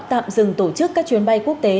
tạm dừng tổ chức các chuyến bay quốc tế